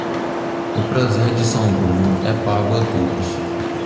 O prazer de São Bruno é pago a todos.